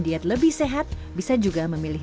diet lebih sehat bisa juga memilih